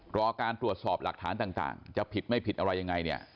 รอการตรวจสอบหลักฐานต่างจะผิดไม่ผิดอะไรยังไงเนี่ย